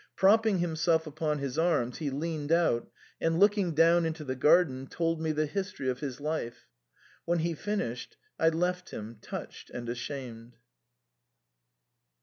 Propping himself upon his arms, he leaned out, and, looking down into the garden, told me the history of his life. When he finished I left him, touched and ashamed.